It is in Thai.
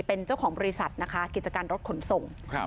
เป็นเจ้าของบริษัทนะคะกิจการรถขนส่ง